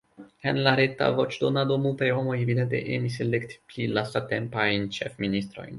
En la reta voĉdonado multaj homoj evidente emis elekti pli lastatempajn ĉefministrojn.